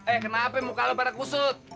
eh kenapa muka lo pada kusut